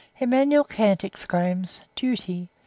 Immanuel Kant exclaims, "Duty!